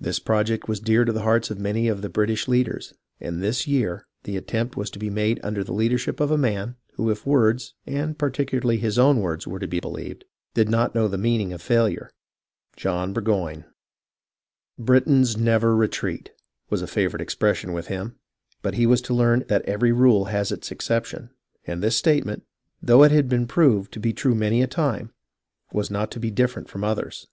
This project was dear to the hearts of many of the British leaders, and this year the attempt was to be made under the leadership of a man, who if words, and particularly his own words, were to be believed, did not know the meaning of failure — John Burgoyne. " Britons never retreat" was a favourite expression with him ; but he was to learn that every rule has its exception, and this statement, though it had been proved to be true many a time, was not to be different from others.